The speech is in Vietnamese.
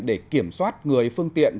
để kiểm soát người phương tiện